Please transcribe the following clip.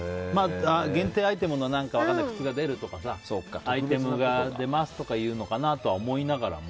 限定アイテムの靴が出るとかアイテムが出ますとかいうのかなとは思いながらも。